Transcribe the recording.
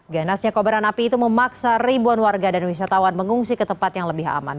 ganasnya kobaran api itu memaksa ribuan warga dan wisatawan mengungsi ke tempat yang lebih aman